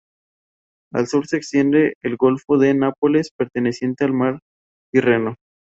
Al sur se extiende el golfo de Nápoles, perteneciente al Mar Tirreno.